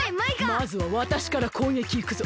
まずはわたしからこうげきいくぞ。